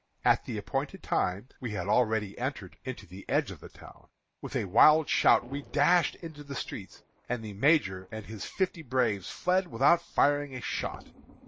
At the appointed time (we had already entered into the edge of the town), with a wild shout we dashed into the streets, and the Major and his fifty braves fled without firing a shot.